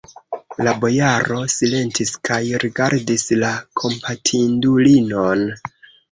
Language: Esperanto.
La bojaro silentis kaj rigardis la kompatindulinon.